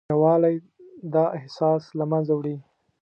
یووالی دا احساس له منځه وړي.